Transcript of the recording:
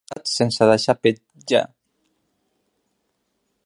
Han passat sense deixar petja.